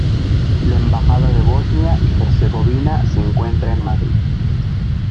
La Embajada de Bosnia y Herzegovina se encuentra en Madrid.